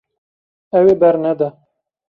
Ew ê bernede.